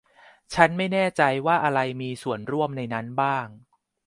ฉันไม่แน่ใจว่าอะไรมีส่วนร่วมในนั้นบ้าง